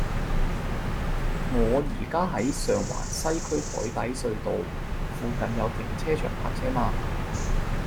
我依家喺上環西區海底隧道，附近有停車場泊車嗎